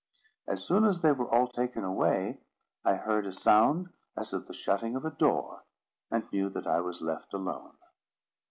As soon as they were all taken away, I heard a sound as of the shutting of a door, and knew that I was left alone.